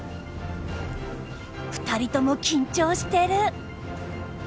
２人とも緊張してる。